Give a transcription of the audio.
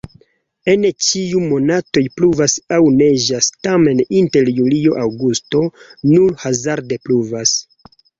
En ĉiuj monatoj pluvas aŭ neĝas, tamen inter julio-aŭgusto nur hazarde pluvas.